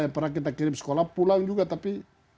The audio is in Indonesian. pernah kita kirim sekolah pulang juga tapi